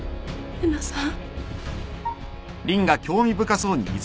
玲奈さん！